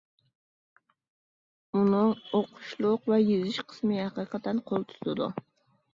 ئۇنىڭ ئوقۇشلۇق ۋە يېزىش قىسمى ھەقىقەتەن قول تۇتىدۇ.